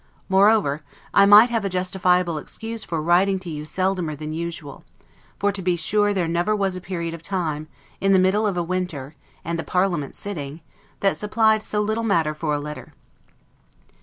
Moreover, I might have a justifiable excuse for writing to you seldomer than usual, for to be sure there never was a period of time, in the middle of a winter, and the parliament sitting, that supplied so little matter for a letter.